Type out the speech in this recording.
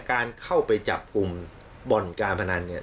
การเข้าไปจับกลุ่มบ่อนการพนันเนี่ย